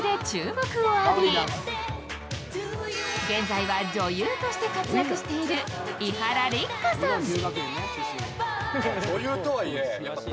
現在は女優として活躍している伊原六花さん。